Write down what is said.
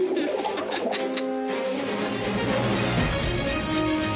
ハハハハ。